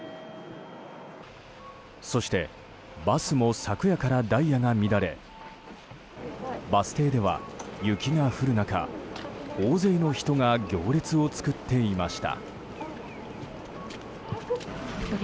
そして、バスも昨夜からダイヤが乱れバス停では雪が降る中大勢の人が行列を作っていました。